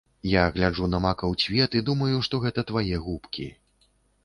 Я гляджу на макаў цвет і думаю, што гэта твае губкі.